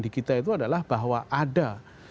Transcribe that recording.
di kita itu adalah bahwa ada